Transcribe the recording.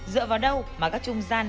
dựa vào đâu mà các trung gian